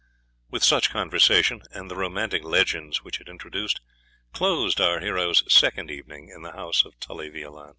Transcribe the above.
With such conversation, and the romantic legends which it introduced, closed our hero's second evening in the house of Tully Veolan.